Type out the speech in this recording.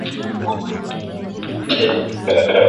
Mimi binafsi naliona ni kabila la kuvutia